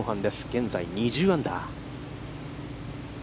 現在、２０アンダー。